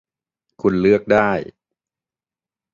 คุณเลือกได้